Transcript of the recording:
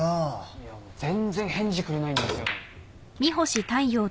いやもう全然返事くれないんですよ。